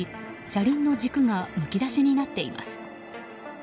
車輪の軸がむき出しになっています。